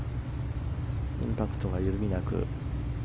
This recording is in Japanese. インパクトが緩みなく。